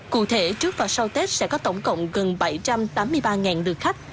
cụ thể trước và sau tết sẽ có tổng cộng gần bảy trăm tám mươi ba lượt khách